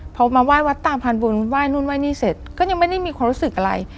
พอมาไหว้วัดตามพันธบุญไหว้นู่นไห้นี่เสร็จก็ยังไม่ได้มีความรู้สึกอะไร